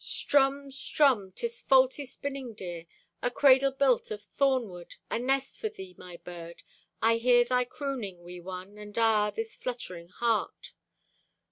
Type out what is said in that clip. Strumm, strumm! 'Tis faulty spinning, dear. A cradle built of thornwood, A nest for thee, my bird. I hear thy crooning, wee one, And ah, this fluttering heart.